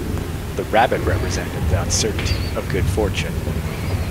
The rabbit represented the uncertainty of good fortune.